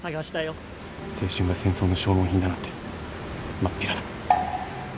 青春が戦争の消耗品だなんてまっぴらだ。